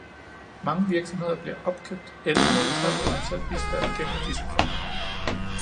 Mange virksomheder bliver opkøbt eller modtager finansiel bistand gennem disse fonde.